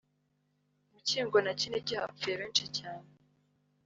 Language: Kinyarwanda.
Mukingo na Kinigi hapfuye benshi cyane